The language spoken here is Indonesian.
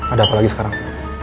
ada apa lagi sekarang